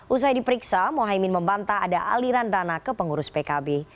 usai diperiksa muhaymin membantah ada aliran dana ke pengurus pkb